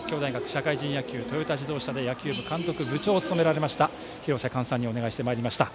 社会人野球トヨタ自動車で野球部監督、部長務められました、廣瀬寛さんにお願いしてまいりました。